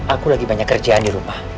aku lagi banyak kerjaan di rumah